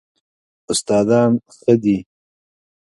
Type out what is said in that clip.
استادان ښه دي؟